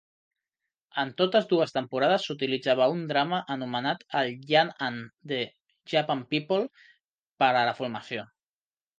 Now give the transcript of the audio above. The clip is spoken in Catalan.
En totes dues temporades s'utilitzava un drama anomenat "Yan and the Japanese People" per a la formació.